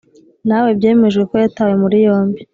nawe byemejwe ko yatawe muri yombi.